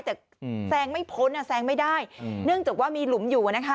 แต่แซงไม่พ้นอ่ะแซงไม่ได้เนื่องจากว่ามีหลุมอยู่นะคะ